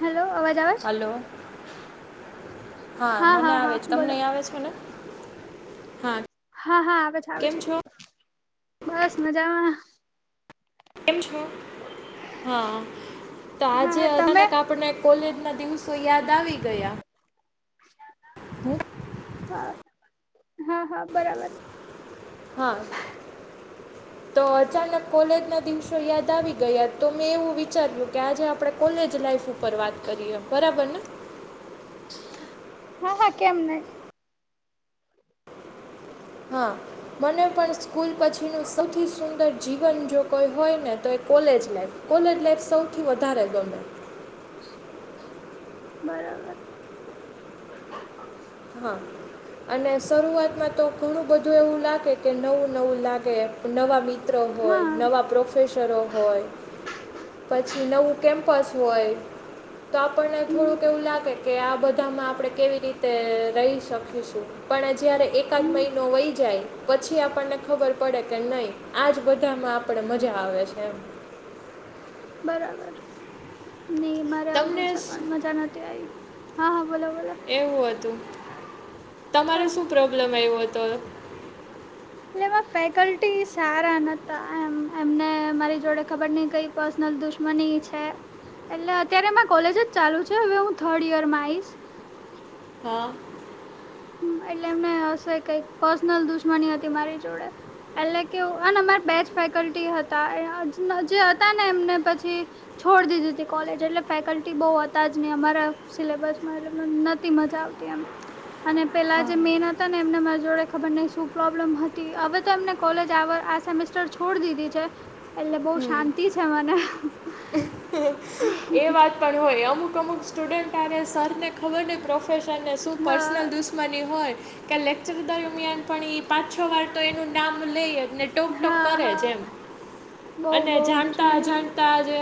Hello અવાજ આવે છે? હલો હા મને હા આવે હા છે તમને બોલો આવે છે ને? હા હા હા આવે છે આવે કેમ છે. છો બસ મજામાં. કેમ છો હા તો હા આજે હા તમે અચાનક આપને કોલેજના દિવસો યાદ આવી ગયા. હું હા હા હા બરાબર. હા તો અચાનક કોલેજના દિવસો યાદ આવી ગયા તો મેં એવું વિચાર્યું કે આજે આપણે કોલેજ લાઈફ પર વાત કરીએ. બરાબર ને? હા હા કેમ નહી. હા મને પણ સ્કૂલ પછીનું સૌથી સુંદર જીવન જો કોઈ હોય ને તો એ કોલેજ લાઈફ. કોલેજ લાઈફ સૌથી વધારે ગમે. બરોબર. હા અને શરૂઆતમાં તો ઘણું બધું એવું લાગે. કે નવું નવું લાગે, નવા મિત્રો હોય, હા નવા પ્રોફેસરો હોય. પછી નવું કેમ્પસ હોય. તો આપણને હમ થોડુંક એવું લાગે કે આ બધામાં આપડે કેવી રીતે રહી શકીશું. પણ જ્યારે એકાદ હમ મહિનો વહી જાય પછી આપણને ખબર પડે કે નહીં આજ બધામાં આપડે મજા આવે છે એમ. બરાબર. નઈ મારે આવરું તમને છે સ- પણ મજા નતી આઈ. હા હા બોલો બોલો. એવું હતું? તમારે હા શું પ્રોબ્લેમ આવ્યો તો. એટલે એમાં ફેકલ્ટી સારા નતા એમ એમને મારી જોડે ખબર નહિ કઈ પર્સનલ દુશ્મની છે. એટલે અત્યારે મા કોલેજ જ ચાલુ છે. હવે હું થર્ડ યરમાં આઈશ. હા હમ એટલે એમને હશે કઈક પર્સનલ દુશ્મની હતી મારી જોડે. એટલે કેવું હેન અમાર બેજ ફેકલ્ટી હતા. જે હતા ને એમને પછી છોડ દીધી તી કોલેજ. એટલે ફેકલ્ટી બઉ હતા જ નહીં. અમારા સિલેબસમાં એટલે નતી મજા આવ તી એમ અને પેલા જે મેન હ તાને એમને મારી જોડે ખબર નહિ શું પ્રોબ્લેમ હતી હવે તો એમને કોલેજ આ વર આ સેમેસ છોડ દીધી છે. એટલે બહુ શાંતિ છે મને. એ વાત પણ હોય. અમુક અમુક સ્ટુડન્ટ હારે સરને ખબર નહીં પ્રોફેશ શનને શું હા પર્સનલ દુશ્ મની હોય કે લેક્ચર દરમિયાન પણ એ પાંચ છ વાર તો એનું નામ લેય જ ને ટોક ટોક હા કરે જ હા એમ. બઉ અને બઉ જાણતા દુશ્મની અજાણ તા જે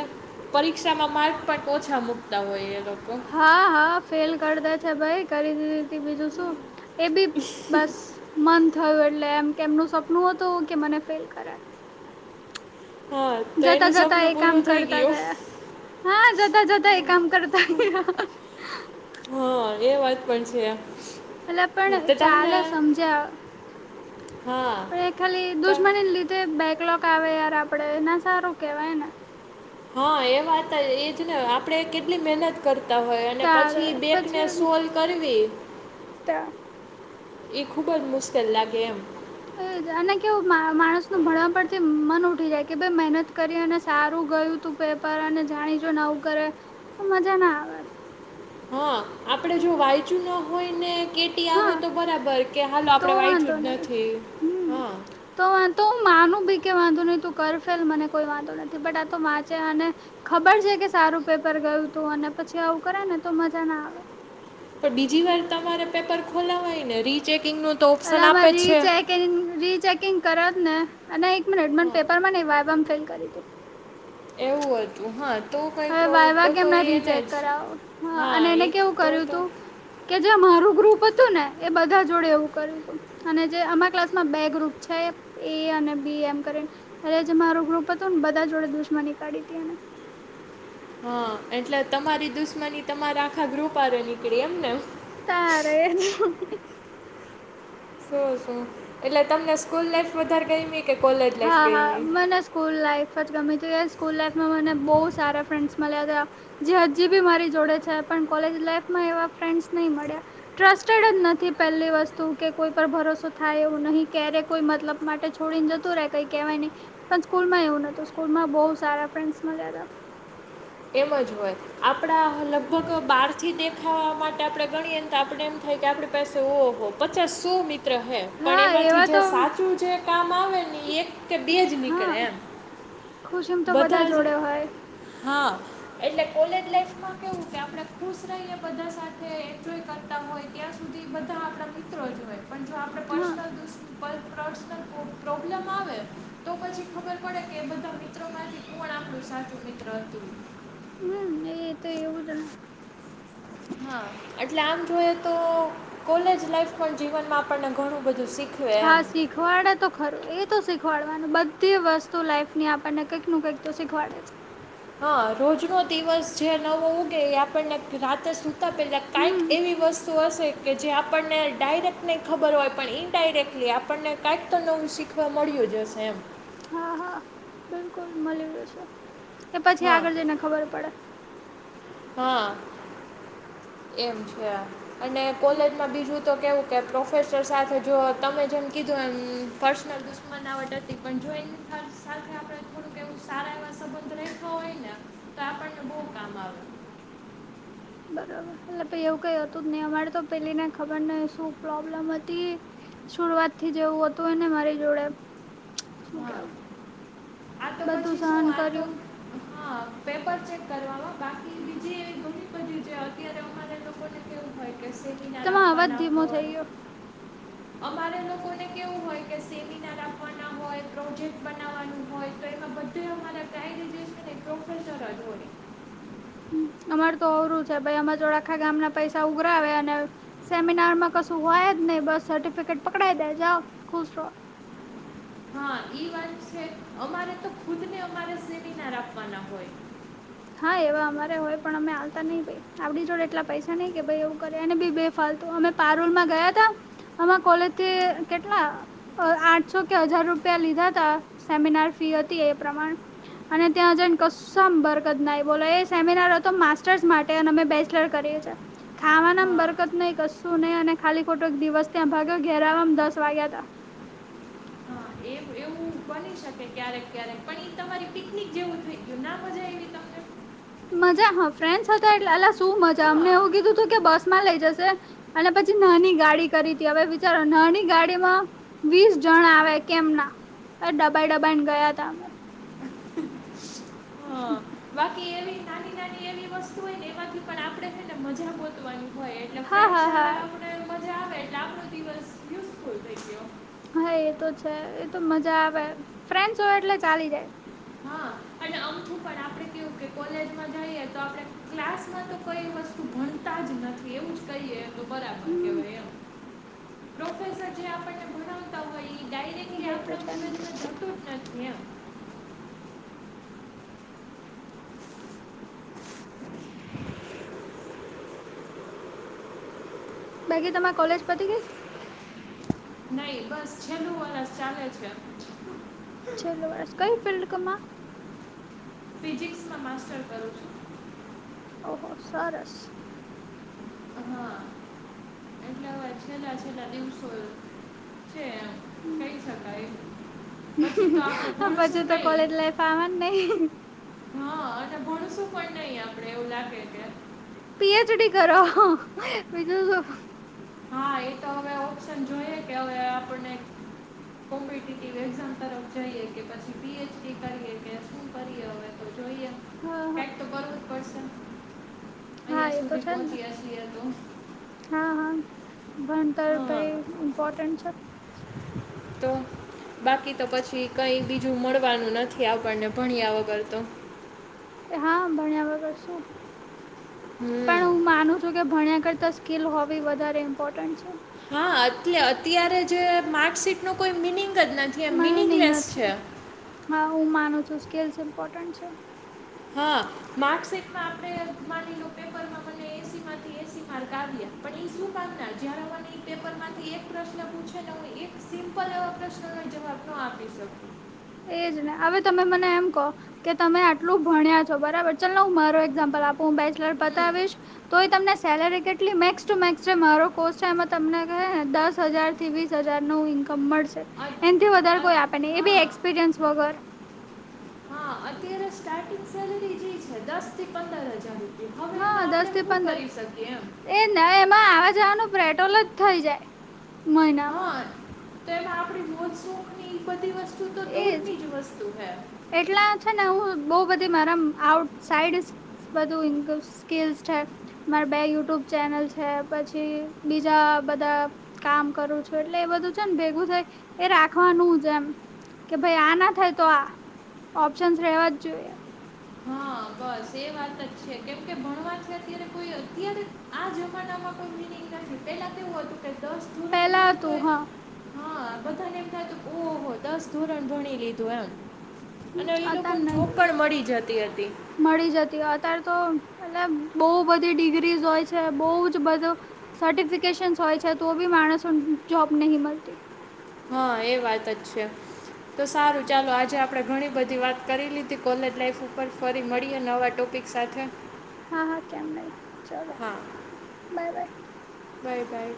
પરીક્ષામાં માર્ક પણ ઓછા મૂકતા હોય એ લોકો. હા હા ફેલ કરતા છે ભાઈ કરી દીધી તી બીજું શું એ બી [unintelligible] બસ મન થયું એટલે એમ કે એમનું સપનું હતું કે મને ફેલ કરે. હા તો જતા એનું જતા સપનું એ કામ પૂરું થઈ કરતા ગયું ગયા. હા જતા જતા એ કામ કરતા ગયા. હહ એ વાત પણ છે. એટલે પણ તો તમને ચાલે સમજ્યા હા પણ એ ખાલી ત દુશ્મનીને લીધે બેકલોક આવે યાર આપડે ના સારું કેવાય ને. હા એ વાત એ એજ ને આપડે કેટલી મહેનત કરતા હોય અને તારે પછી બેકને પછી સોલ કરવી તા એ ખુબ જ મુશ્કેલ લાગે એમ. એજ અને કેવું મા-માણસ નું ભણવા પરથી મન ઉઠી જાય કે ભાઈ મહેનત કરી અને સારું ગયું તું પેપર અને જાણીજો નેવું કરે તો મજા ના આવે. હા આપડે જો વાંયચું ના હોય ને કે ટી આવે હા તો બરાબર કે હાલો તો આપડે વાંધો વાંચ્યું જ નહી નથી હમ હા. તો આ તો માનું ભી કે વાંધો નહીં તું કર ફેલ મને કોઈ વાંધો નથી બટ આ તો વાચે અને ખબર છે કે સારું પેપર ગયું તું અને પછી આવું કરે ને તો મજા ના આવે. પણ બીજી વાર તમારે પેપર ખોલાવાય ને રીચેકિંગનું તો ઓપ્શન આપે જ છે. કે રીચેકિંગ કરત ને અને એક મિનિટ મને હા પેપર માં નઈ વાયવામાં ફેલ કરી દે. એવું હતું હા. તો કંઈ હવે પ્રોબ્લેમ વાયવા તો તો કેમના એને રીચેક જ કરાવો હા અને એને એ કેવું તો કર્યું તો તું કે જે મારું ગ્રુપ હતું ને એ બધા જોડે એવું કર્યું તું. અને જે અમારા ક્લાસમાં બે ગ્રુપ છે એ અને બી એમ કરીને અરે જ મારું ગ્રુપ હતું ને બધા જોડે દુશ્માની કળી તી એને. હા એટલે તમારી દુશ્મની તમારા આખા ગ્રુપ પારે નીકળી એમને? તારે જ. શું શું એટલે તમને સ્કુલ લઇફ વધારે ગઈમી કે કોલેજ લાઈફ હા હા ગઈમી? મને સ્કૂલ લાઈફ જ ગમી હતી. સ્કૂલ લાઈફમાં મને બહુ સારા ફ્રેન્ડસ મળ્યા તા. જે હજી બી મારી જોડે છે પણ કોલેજ લાઈફમાં એવા ફ્રેન્ડસ નહી મળ્યા. ટ્રસ્ટેડ જ નથી પહેલી વસ્તુ કે કોઈ પર ભરોસો થાય એવું નહીં ક્યારે કોઈ મતલબ માટે છોડીને જત તુરેય કઈ કેવાય નહી પણ સ્કૂલમાં એવું નતું સ્કૂલમાં બહ સાર ફ્રેન્ડ્સ મળ્યા તા. એમ અજ હોય. આપડા લગભગ બહારથી દેખાવા માટે આપણે ગણીએ તો આપડે એમ થાય કે આપડી પાસે ઓ હો પચાસ શું મિત ત્ર હે રહે પણ હા એમાંથી એવા જે તો સાચું જે કામ આવે ને એ એક કે બે જ નીકળે હા એમ. [inaudible] ખુશીમ તો બધા જોડે હોય હા એટલે કોલેજ લાઈફમાં કેવું કે આપડે ખુશ રહીને બધા સાથે એન્જોય કર તા હોય ત્યાં સુધી બધા આપડા મિત્રો જ હોય પણ જો આપડે હા પર્સનલ દુસ પલ પ્રેસનલ પ્રો-પ્રોબ્લેમ આવે તો પછી ખબર પડે કે બધા મી મિત્રો માંથી કોણ આપણું સાચું મિત્ર હતું. હમ્મ, એ તો એવું જ ને. હા એટલે આમ જોઈએ તો કોલેજ લાઇફ પણ જીવનમાં આપણને ઘણું બધું શીખવે હા એમ. શીખવાડે તો ખરું એ તો શીખવાડવાનું બધી વસ્તુ લાઈફ ની આપણને કંઈક નું કંઈક તો શીખવાડે છે. હા રોજ નો દિવસ જે નવો ઉગે એ આપણને રાતે સુ તા પેલા કઈક હમ એવી વસ્તુ હશે કે જે આપણને ડાયરેક્ટ નહીં ખબર હોય પણ ઇનડાયરેક્ટલી આપણને કાંઈક તો નવું શીખ ખવા મળ્યો હશે એમ. હા હા બિલકુલ મળી જશે કે પછી હા આગળ જઈને ખબર પડે. હા એમ છે. અને કોલેજમાં બીજું તો કેવું કે પ્રોફેસર સાથે જો તમે જેમ કીધું એમ પર્સનલ મના આવટ હતી પણ જો એને ખ [inaudible] આપડ થોડું એવું સારા એવા સંબંધ રાયખયા હોય ને તો આપણને બહુ કામ આવે. બરાબર એટલે પ એવું કઈ હતું જ નહી અમારે તો પેલી ને ખબર ન શું પ્રોબ્લેમ હતી. શરૂઆત થી જેવું હતું એને મારી જોડે એમ. શું હા કેવું આ તો બધું પછી શું સહન આ તો કર્યું. હા. પેપર ચેક કરવામાં બાકી બીજી એવી ઘણી બધી છે અત્યારે અમારા લોકોને કેવું હોય કે સેમિનાર તેમાં અવાજ આપવાના ધીમો હોય. થઈ ગયો અમારે લોકોને કેવું હોય કે સેમિનાર રાખવાના હોય. પ્રોજેક્ટ બનાવવાનું હોય તો એમાં બધું અમારા કાયગ જે છે ને એક પ્રોફેસર જ હોય. અમાર તો અવરું છે ભાઈ અમાં જોળ આખા ગામ ના પૈસા ઉઘરાવે અને. સેમિનાર માં કશું હોય જ નહી બસ સર્ટિફિકેટ પકડાઈ દે જાવ ખુશ રો હા ઈ વાત છે અમારે તો ખુદ ને અમારે સેમિનાર આપવાના હોય. હા એવા અમારે હોય પણ અમે આવતા નહી ભાઈ. આપડી જોડે એટલા પૈસા નઈ કે ભાઈ એવું કરે એને બી બે ફાલતું અમે પારૂલમાં ગયા તા. આમાં કોલેજથી કેટલા અ આઠસો કે હજાર રૂપિયા લીધા હતા સેમિનાર ફી હતી એ પ્રમાણ. અને ત્યાં જઈ ને કશુ બર ના બોલો એ સેમિનાર હતો માસ્ટર્સ માટે અમે બેચલર કરીએ છીએ. ખાવાના હા બરકત નહિ કસ શું નહિ અને ખાલી ખોટો દિવસ ત્યાં ભાગ્યો ઘેરાવામ દસ વાગ્યા હતા. હા એવું બની શકે ક્યારેક ક્યારેક પણ એ તમારી પિકનિક જેવું થઈ ગયું ના મજા આવી મજા હા ફ્રેન્સ સાથે હતા એટલે અલા શું મજા હા અમને એવું કીધું તું કે બસ માં લઈ જશે અને પછી નાની ગાડી કરી હતી હવે વિચારો નાની ગાડીમાં વીસ જણ આવે કેમ ના એ ડબાઈ ડબાઈને ગયા ત અમે. [inaudible] એ એવી નાની નાની એવી વસ્તુ હોય ને એમાંથી પણ આપણે ને ને મજા ગોતવાની હોય એટલે હા ફ્રેન્ડ હા સાથે હા આપણે મજા આવે એટલે આપણો દિવસ યુઝફુલ થઈ ગયો. હા એ તો છે એ તો મજા આવે ફ્રેન્સ હો એટલે ચાલી જાય. હા અને આમ છું પણ આપડ કેવું કે કોલેજમાં જઈએ તો આપણે ક્લાસમાં તો કઈ વસ્તુ ભણતા જ નથી એવું જ કહીએ. બરાબર કેવે હમ એમ પ્રોફેસર જે આપાને ભણતા હોય એ તો છે. તી [inaudible] [inaudible] બાકી તમારી કોલેજ પતી ગઈ. નઈ બસ છેલ્લું વરષ ચાલે છે. છેલો આસ કઈ ફિલ્ડ કમાં ફિજિક્સમાં માસ્ટર કરું છું. ઓહો સરસ. હા એટલે હવે છેલ્લા છેલ્લા દિવસો છે એમ કઈ શકાય એમ. હા પછી તો કોલેજ લાઈફ આવા જ નહી. હા અને ભણશું પણ નઈ આપડે એવું લાગે કે પીએચડી કરો બીજું શું. હા એ તો હવે ઓપ્શન જોઈએ કે હવે આપણને કોમ્પિટેટિવ એક્ઝામ તરફ જઈએ કે, પછી પીએચડી કરીએ કે, શું કરીએ હવે તો જોઈએ. હહ હહ એ તો કરવું જ પડશે. હા અહીંયા એ તો સુધી છે જ ને પહોંચીયા છીએ તો. હા હા ભણતર હા ભાઈ ઇમ્પોર્ટન્ટ છે. તો બાકી તો પછી કઈ બીજું મળવાનું નથી આપણને ભણ્યા વગર તો. એ હા ભણ્યા વગર શું. હમ શું કે ભણ્યા કરતા સ્કીલ હોવી વધારે ઇમ્પોર્ટન્ટ છે. હા એટલે અત્યારે જે માર્કશીટનો કોઈ મિનિંગ જ નથી એમ માઇનિંગ મિનિંગલેસ નથી છે. હા હું માનું છું સ્કીલસ ઇમ્પોર્ટન્ટ છે. હા માર્કશીટમાં આપણે માની લો પેપરમાં મને એસીમાંથી એંસી માર્ક આવ્યા પણ ઈ શું કામના? જ્યારે મને ઈ પેપરમાંથી એક પ્રશ્ન પૂછે ને હું એક સિમ્પલ એવા પ્રશ્નનો જવાબ નો આપી શકું. એજ ને. હવે તમે મને એમ કહો કે તમે આટલું ભણ્યા છો બરાબર ચલને હું મારો એક્ઝામ્પલ આપ હું બેચલર હમ પતાવીશ તો એ તમને સેલરી કેટલી મેક્સ ટુ મેક્સ રે મારો કોર્સ છે એમાં તમને કહેને દસ હજારથી વીસ હજારનું ઇન્ક કમ મળશે, એનથી વધારે અ- કોઈ આપે અ- નહી. એ હા બી એક્સપિરિયન્સ વગર. હા અત્યારે સ્ટાર્ટિંગ સેલરી જ ઇ છે. દસથી પંદર હજાર રૂપ હા દસથી પંદર એમ એજ ને હવે એમાં આવા જવાનું પેટ્રોલ જ થઇ જાય. મહિનામાં. હા તો એમાં આપણી મોજ શોખની ઈ બધી વસ્તુ તો દૂરની જ વસ્તુ હૈ. એટલામાં છે ને હું બઉ બધી મારા આઉટ સાઈડ બધું ઇનકસ સ્કીસ છે. મારા બે યુટ્યુબ ચેનલ છે, પછી બીજા બધા કામ કરું છું. એટલે એ બધું છે ને ભેગું થાય એ રાખવાનું જ એમ. કે ભાઈ આ ના થાય તો આ. ઓપ્શનસ રહેેવા જ જોઈએ. હા બસ એ વાત જ છે. કેમ કે ભણવાથી અત્યારે કોઈ અત્યારે આ જમાનામાં કોઈ મીનિંગ નથી. પેલા તો એવું હતું કે દસ ધોરણ પેલા ભણે હતું તોય હા હા બધાને એમ થાતું ઓહો! દસ ધોરણ ભણી લીધું એમ. અને ઈ અતા લોકોને જોબ નહી પણ મળી જતી હતી. મળી જતી. અત્યારે તો એટલે બહુ બધી ડિગ્રીઝ હોય છે બહુ જ બધું સર્ટિફિકેશન હોય છે, તો બી માણસોને જોબ નહી મલતી. હા એ વાત જ છે. તો સારું ચાલો આજે આપણે ઘણી બધી વાત કરી લીધી, કોલેજ લાઈફ ઉપર ફરી મળીએ નવા ટોપિક સાથે હા હા કેમ નહી. ચલો હા બાય બાય. Bye by.